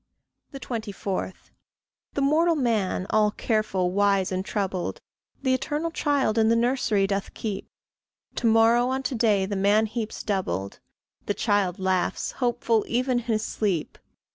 24. The mortal man, all careful, wise, and troubled, The eternal child in the nursery doth keep. To morrow on to day the man heaps doubled; The child laughs, hopeful, even in his sleep.